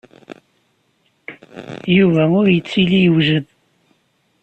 Yuba ur yettili yewjed.